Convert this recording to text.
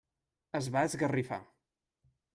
Es va esgarrifar.